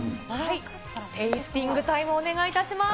テースティングタイムお願いいたします。